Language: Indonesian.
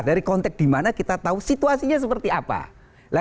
dari konteks di mana kita tahu situasinya seperti apa